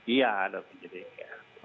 iya dari penyidik